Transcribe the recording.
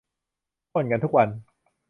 พ่นกันทุกวัน